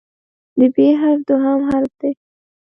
د "ب" حرف دوهم حرف دی.